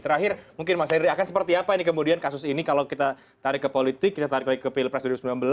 terakhir mungkin mas henry akan seperti apa ini kemudian kasus ini kalau kita tarik ke politik kita tarik lagi ke pilpres dua ribu sembilan belas